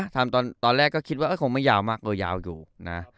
ทำตอนแรกก็คิดว่าเอ๊ะคงไม่ยาวมากเออยาวยู่นะ